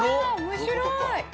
面白い！